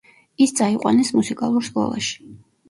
ის წაიყვანეს მუსიკალურ სკოლაში.